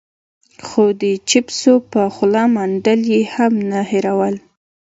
خو د چېپسو په خوله منډل يې هم نه هېرول.